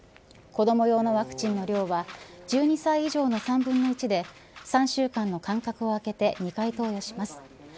子ども用のワクチンの量は１２歳以上の３分の１で３週間の間隔をあけて２回投与します。